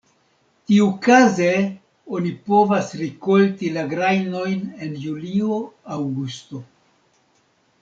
Tiukaze oni povas rikolti la grajnojn en julio-aŭgusto.